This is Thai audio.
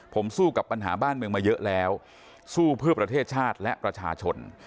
ผมสู้กับปัญหาบ้านเมืองมาเยอะแล้วสู้เพื่อประเทศชาติและประชาชน